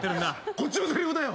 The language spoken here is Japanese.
こっちのせりふだよ。